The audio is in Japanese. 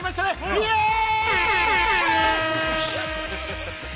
イエーイ！